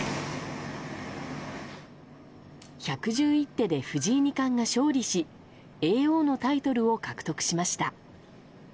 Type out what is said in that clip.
１１１手で藤井二冠が勝利し叡王のタイトルを獲得しました。